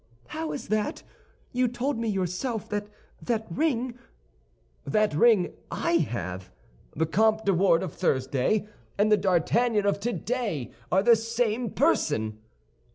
"How is that? You told me yourself that that ring—" "That ring I have! The Comte de Wardes of Thursday and the D'Artagnan of today are the same person."